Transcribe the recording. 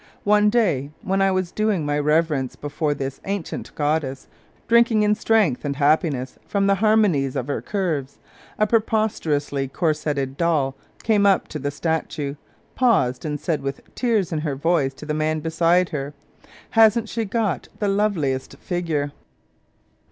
One day, when I was doing my reverence before this ancient goddess, drinking in strength and happiness from the harmonies of her curves, a preposterously corsetted doll came up to the statue, paused, and said with tears in her voice to the man beside her :" Hasn't she got the loveliest figure!